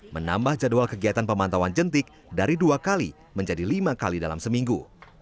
menambah jadwal kegiatan pemantauan jentik dari dua kali menjadi lima kali dalam seminggu